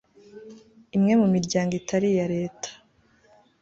imwe mu miryango itari iya leta